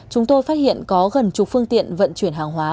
chúng tôi phát hiện có gần chục phương tiện vận chuyển hàng hóa